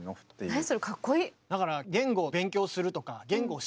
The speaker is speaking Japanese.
何それかっこいい。